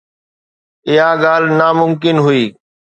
اها ڳالهه ناممڪن هئي.